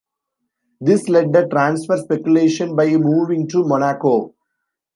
This led a transfer speculation by moving to Monaco.